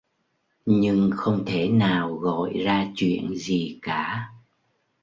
Nhưng không thể nào gọi ra chuyện gì cả